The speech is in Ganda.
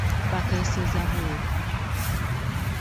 Bakeseza bweru.